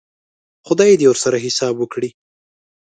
خدای دې ورسره حساب وکړي.